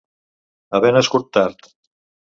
Haver nascut tard.